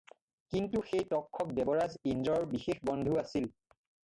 কিন্তু সেই তক্ষক দেৱৰাজ ইন্দ্ৰৰ বিশেষ বন্ধু আছিল।